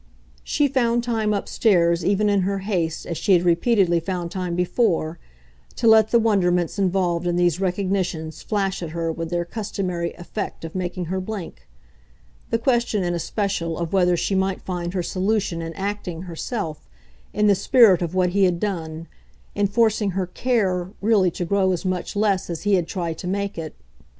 She found time upstairs, even in her haste, as she had repeatedly found time before, to let the wonderments involved in these recognitions flash at her with their customary effect of making her blink: the question in especial of whether she might find her solution in acting, herself, in the spirit of what he had done, in forcing her "care" really to grow as much less as he had tried to make it.